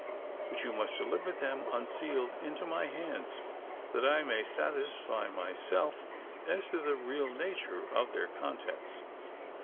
But you must deliver them unsealed into my hands, that I may satisfy myself as to the real nature of their contents."